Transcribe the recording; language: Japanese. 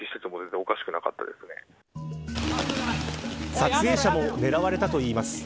撮影者も狙われたといいます。